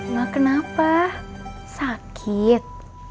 mak kenapa sakit